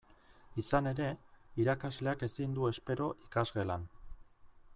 Izan ere, irakasleak ezin du espero ikasgelan.